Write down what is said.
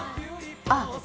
あっ。